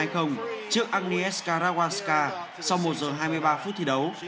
không trước agnieszka rawaska sau một giờ hai mươi ba phút thi đấu